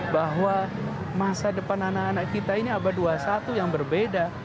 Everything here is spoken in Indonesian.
bahwa masa depan anak anak kita ini abad dua puluh satu yang berbeda